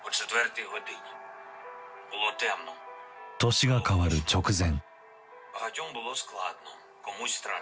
年が変わる直前。